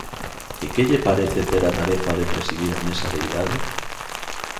E que lle parece ter a tarefa de presidir a mesa de idade?